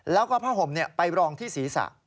แล้วก็ผ้าห่มไปรองที่ศีรษะ